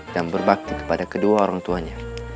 dan berbakti kepada kedua orang tuanya